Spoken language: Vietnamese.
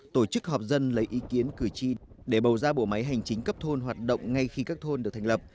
tổ chức họp dân lấy ý kiến cử tri để bầu ra bộ máy hành chính cấp thôn hoạt động ngay khi các thôn được thành lập